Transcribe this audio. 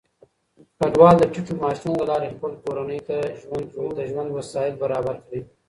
کډوال د ټيټو معاشونو له لارې خپلې کورنۍ ته د ژوند وسايل برابر کړي.